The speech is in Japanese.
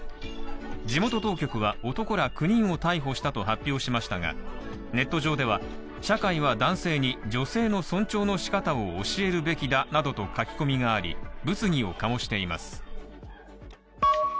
地元当局は男ら９人を逮捕したと発表しましたがネット上では、社会は男性に女性の尊重のしかたを教えるべきだなどと書き込みがあり物議を醸しています。